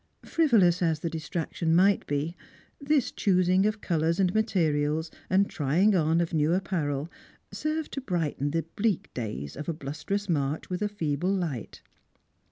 Frivolous as the distraction might be, this choosing of coloura and materials, and trying ou of new apparel, served to brighten the bleak days of a blusterous March with a feeble light.